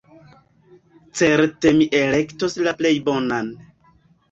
Certe mi elektos la plej bonan.